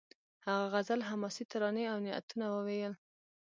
هغه غزل حماسي ترانې او نعتونه وویل